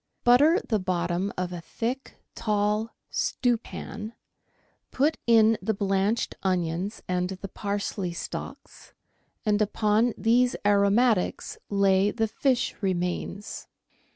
— Butter the bottom of a thick, tall stewpan, put in the blanched onions and the parsley stalks, and upon these aromatics lay the fish remains.